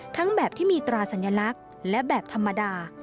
แบบที่มีตราสัญลักษณ์และแบบธรรมดา